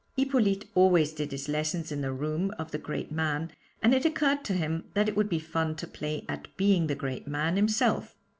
Hippolyte always did his lessons in the room of the great man, and it occurred to him that it would be fun to play at being the great man himself.